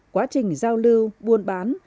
quá trình giao lưu buôn bán